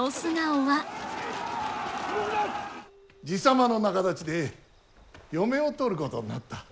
爺様の仲立ちで嫁を取ることになった。